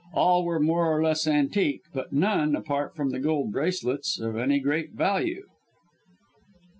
All were more or less antique, but none apart from the gold bracelets of any great value.